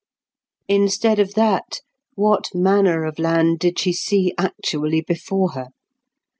Instead of that, what manner of land did she see actually before her?